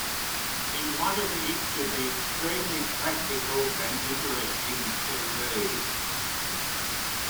He wanted it to be extremely practical and interesting to read.